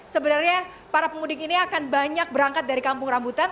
sebenarnya para pemudik ini akan banyak berangkat dari kampung rambutan